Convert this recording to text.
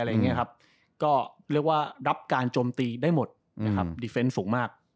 เรียกว่ารับการจมตีได้หมดดีเฟนส์สูงมาก